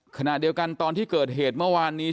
ขณะเดียวกันตอนที่เกิดเหตุเมื่อวานนี้